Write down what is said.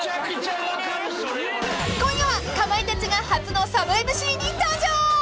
［今夜はかまいたちが初のサブＭＣに登場］